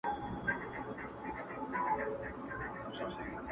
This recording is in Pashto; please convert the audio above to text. له اورنګه یې عبرت نه وو اخیستی.!